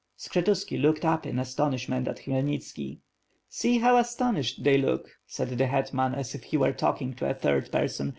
Skshetuski looked up in astonishment at Khmyelnitski "See, how astonished they look," said the hetman, as if he were talking to a third person.